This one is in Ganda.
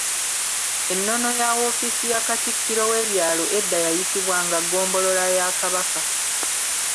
Ennono ya woofiisi ya Katikkiro w’ebyalo edda yayitibwanga Ggombolola ya Kabaka.